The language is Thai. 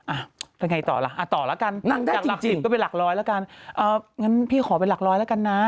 อ่ะเป็นไงต่อล่ะต่อละกันจากหลัก๑๐ก็ไปหลักร้อยละกันงั้นพี่ขอไปหลักร้อยละกันนะ